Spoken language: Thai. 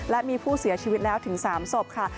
และมีผู้เสียชีวิตแล้วถึง๓ศพค่ะ